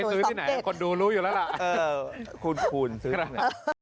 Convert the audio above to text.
ซื้อที่ไหนคนดูรู้อยู่แล้วล่ะคูณซื้ออะไร